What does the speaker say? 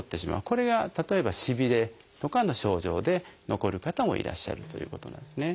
これが例えばしびれとかの症状で残る方もいらっしゃるということなんですね。